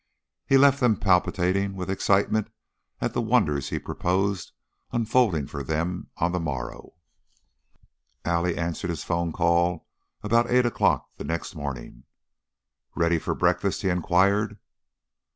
He left them palpitating with excitement at the wonders he proposed unfolding for them on the morrow. Allie answered his phone call about eight o'clock the next morning. "Ready for breakfast?" he inquired.